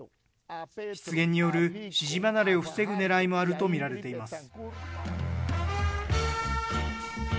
失言による支持離れを防ぐねらいもあるとみられています。